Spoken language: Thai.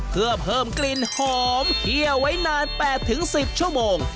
เพื่อเพิ่มกลิ่นหอมเขี้ยวไว้นาน๘๑๐ชั่วโมง